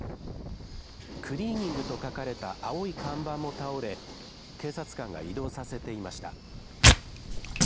クリーニングと書かれた青い看板も倒れ警察官が移動させていました。